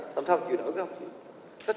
tầm thăm chịu nổi không